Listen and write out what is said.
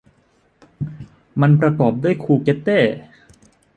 มันประกอบด้วยคูเกตเต้